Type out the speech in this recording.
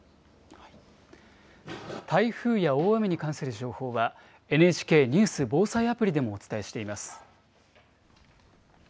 台風や大雨に関する情報は、ＮＨＫニュース・防災アプリでもお伝えしています。